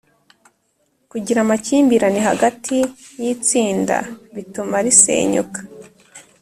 kugira amakimbirane hagati y’itsinda bituma risenyuka